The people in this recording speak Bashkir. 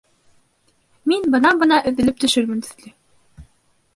Мин бына-бына өҙөлөп төшөрмөн төҫлө.